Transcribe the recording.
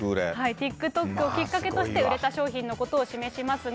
ＴｉｋＴｏｋをきっかけにして売れた商品のことを示しますが。